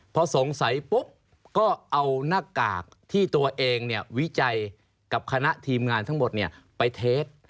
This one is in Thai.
พอสงสัยปุ๊บก็เอาหน้ากากที่ตัวเองวิจัยกับคณะทีมงานทั้งหมดไปเทส